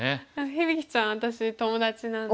響ちゃん私友達なんで。